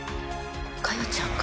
加代ちゃんが？